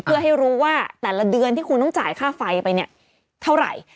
เพื่อให้รู้ว่าแต่ละเดือนที่คุณต้องจ่ายค่าไฟไปเนี่ยเท่าไหร่